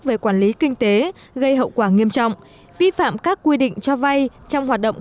về quản lý kinh tế gây hậu quả nghiêm trọng vi phạm các quy định cho vay trong hoạt động